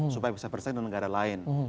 supaya bisa bersaing dengan negara lain